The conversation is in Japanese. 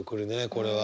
これは。